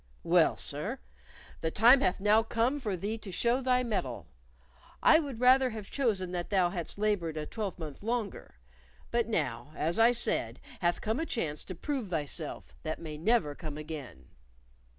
Well, sir, the time hath now come for thee to show thy mettle. I would rather have chosen that thou hadst labored a twelvemonth longer; but now, as I said, hath come a chance to prove thyself that may never come again.